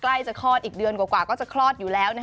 ใกล้จะคลอดอีกเดือนกว่าก็จะคลอดอยู่แล้ว